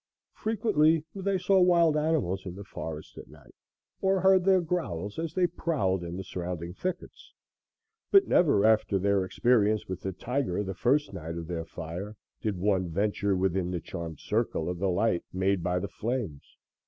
Frequently they saw wild animals in the forest at night or heard their growls as they prowled in the surrounding thickets, but never after their experience with the tiger the first night of their fire, did one venture within the charmed circle of the light made by the flames.